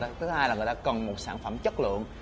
thứ hai là người ta cần một sản phẩm chất lượng